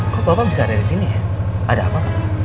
kok bapak bisa ada di sini ya ada apa